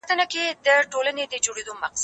سیر د کتابتوننۍ له خوا کيږي؟